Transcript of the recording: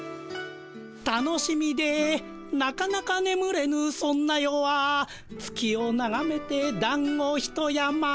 「楽しみでなかなかねむれぬそんな夜は月をながめてだんごひと山」。